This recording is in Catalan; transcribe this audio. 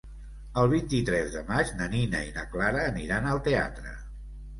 El vint-i-tres de maig na Nina i na Clara aniran al teatre.